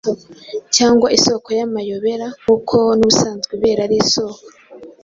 cyangwa isoko y’amayobera nk’uko n’ubusanzwe ibere ari isoko